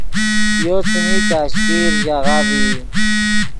یو څیمی کشکیر ژاغہ ڤئی